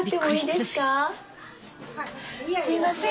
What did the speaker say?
すいません。